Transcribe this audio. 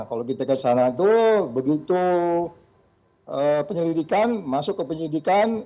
kalau kita ke sana tuh begitu penyelidikan masuk ke penyelidikan